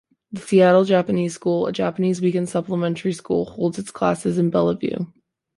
The Seattle Japanese School, a Japanese weekend supplementary school, holds its classes in Bellevue.